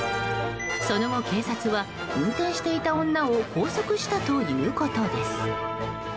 その後、警察は運転していた女を拘束したということです。